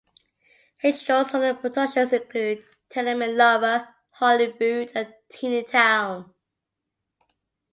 Hagedorn's other productions include "Tenement Lover", "Holy Food", and "Teenytown".